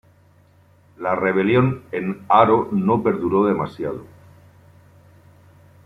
La rebelión en Haro no perduró demasiado.